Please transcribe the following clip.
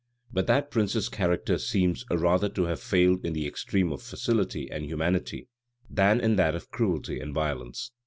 But that prince's character seems rather to have failed in the extreme of facility and humanity, than in that of cruelty and violence.